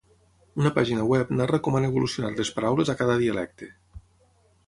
Una pàgina web narra com han evolucionat les paraules a cada dialecte.